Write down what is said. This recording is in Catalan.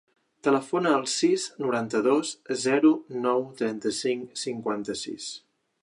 Telefona al sis, noranta-dos, zero, nou, trenta-cinc, cinquanta-sis.